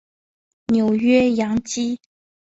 纽约洋基